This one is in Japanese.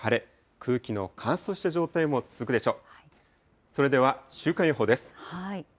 空気の乾燥した状態も続くでしょう。